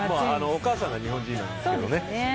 お母さんが日本人なんですけどね。